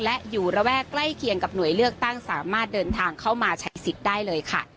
และอยู่ระแวกใกล้เคียงกับหน่วยเลือกตั้งสามารถเดินทางเข้ามาใช้สิทธิ์ได้เลยค่ะ